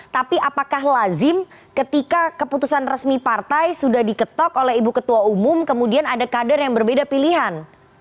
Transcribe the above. tapi apakah lazim ketika keputusan resmi partai sudah diketok oleh ibu ketua umum kemudian ada kader yang berbeda pilihan